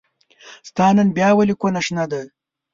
ستا نن بيا ولې کونه شنه ده